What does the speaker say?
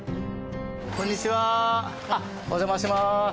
こんにちはお邪魔します。